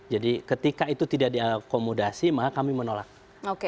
jadi ketika itu tidak diakomodasi maka kami menolak